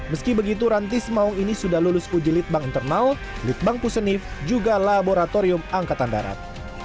meski begitu rantis maung ini sudah lulus uji litbang internal litbang pusenif juga laboratorium angkatan darat